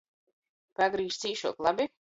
Pagrīz cīšuok, labi?